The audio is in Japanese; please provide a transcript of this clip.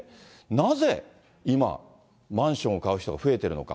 なぜ今、マンションを買う人が増えてるのか。